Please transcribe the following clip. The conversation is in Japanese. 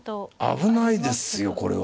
危ないですよこれは。